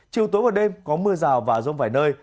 chiều tối và đêm có mưa rào và rông vài nơi